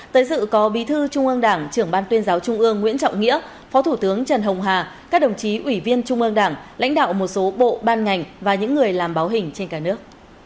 tới sự có bí thư trung ương đảng trưởng ban tuyên giáo trung ương nguyễn trọng nghĩa phó thủ tướng trần hồng hà các đồng chí ủy viên trung ương đảng lãnh đạo một số bộ ban ngành và những người làm báo hình trên cả nước